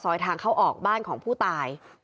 หน้าปากซอยทางเขาออกบ้านของผู้ตาย